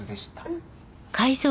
うん。